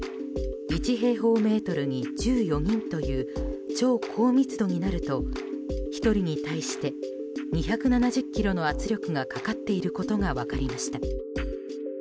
平方メートルに１４人という超高密度になると１人に対して２７０ｋｇの圧力がかかっていることが分かりました。